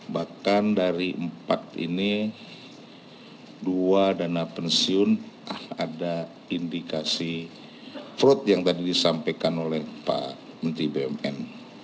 bahkan dari empat ini dua dana pensiun ada indikasi fraud yang tadi disampaikan oleh pak menteri bumn